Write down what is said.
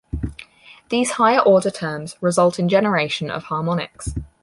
These higher-order terms result in generation of harmonics.